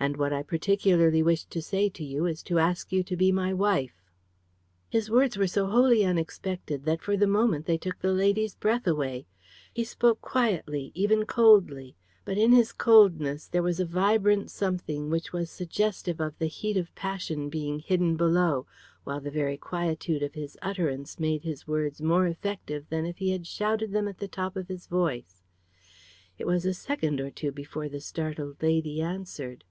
And what I particularly wish to say to you is to ask you to be my wife." His words were so wholly unexpected, that, for the moment, they took the lady's breath away. He spoke quietly, even coldly; but, in his coldness there was a vibrant something which was suggestive of the heat of passion being hidden below, while the very quietude of his utterance made his words more effective than if he had shouted them at the top of his voice. It was a second or two before the startled lady answered.